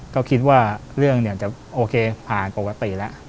ก็คิดว่าเรื่องเนี่ยจะโอเคผ่านปกติแล้ว